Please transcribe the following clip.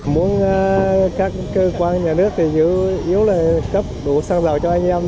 muốn các cơ quan nhà nước yếu là cấp đủ xăng dầu cho anh em